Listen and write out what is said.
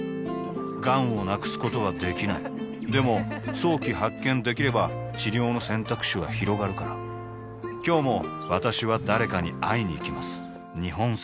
がんを無くすことはできないでも早期発見できれば治療の選択肢はひろがるから今日も私は誰かに会いにいきます